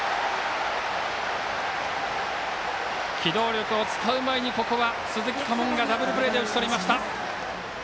機動力を使う前に鈴木佳門がダブルプレーで打ち取りました。